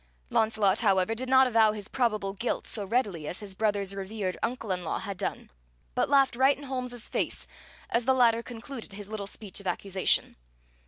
Launcelot, however, did not avow his probable guilt so readily as his brother's revered uncle in law had done, but laughed right in Holmes's face as the latter concluded his little speech of accusation.